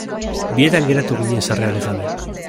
Bietan geratu ginen sarrerarik gabe.